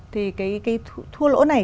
thì cái thua lỗ này